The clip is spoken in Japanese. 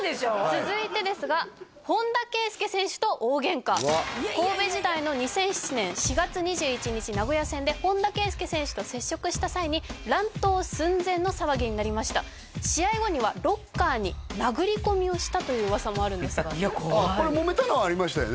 続いてですが神戸時代の２００７年４月２１日名古屋戦で本田圭佑選手と接触した際に乱闘寸前の騒ぎになりました試合後にはロッカーに殴り込みをしたという噂もあるんですがいや怖いこれもめたのはありましたよね？